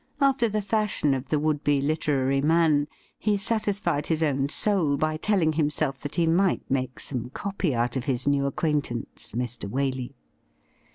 After the fashion of the would be literary man, he satisfied his own soul by telling himself that he might make some copy out of his new acquaintance, Mr. Waley.